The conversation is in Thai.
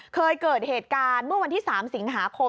เคยเกิดเหตุการณ์เมื่อวันที่๓สิงหาคม